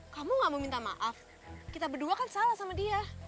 kamu gak mau minta maaf kita berdua kan salah sama dia